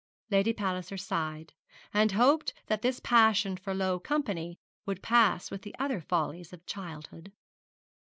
Lady Palliser sighed, and hoped that this passion for low company would pass with the other follies of childhood.